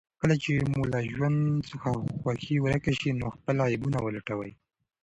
کله چې مو له ژوند څخه خوښي ورکه شي، نو خپل عيبونه ولټوئ.